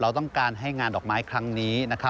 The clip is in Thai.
เราต้องการให้งานดอกไม้ครั้งนี้